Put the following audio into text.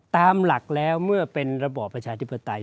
ตามหลักแล้วเมื่อเป็นระบอบประชาธิปไตย